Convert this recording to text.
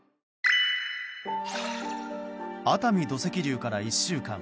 熱海土石流から１週間。